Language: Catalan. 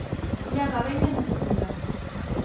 Llaga vella no té cura.